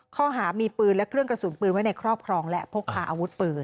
ข้อหามีปืนและเครื่องกระสุนปืนไว้ในครอบครองและพกพาอาวุธปืน